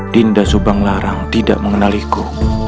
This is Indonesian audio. dinda subang larang tidak mengenaliku